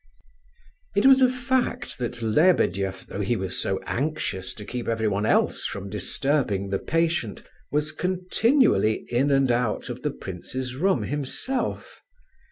It was a fact that Lebedeff, though he was so anxious to keep everyone else from disturbing the patient, was continually in and out of the prince's room himself.